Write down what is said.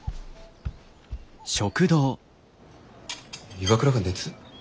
岩倉が熱？